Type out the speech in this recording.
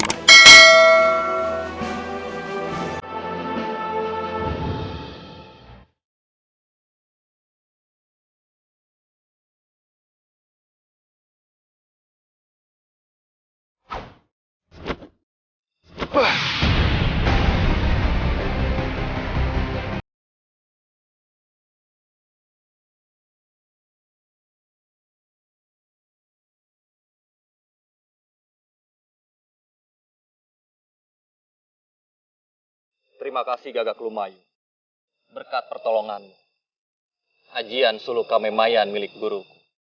terima kasih gagak lumayan berkat pertolongan ajian suluh kami mayan milik guru